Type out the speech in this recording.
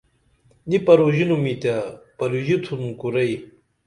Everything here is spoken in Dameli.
نی پروژینُمی تے پروژیتُھن کُرئی